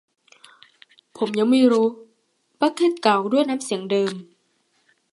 ผมยังไม่รู้ บัคเค็ตกล่าวด้วยน้ำเสียงเดิม